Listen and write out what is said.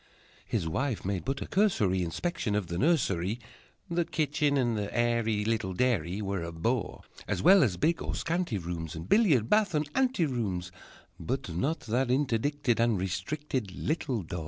His wife made but a cursory Inspection of the nursery; The kitchen and the airy Little dairy Were a bore, As well as big or scanty rooms, And billiard, bath, and ante rooms, But not that interdicted And restricted Little door!